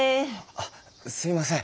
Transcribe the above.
あっすいません。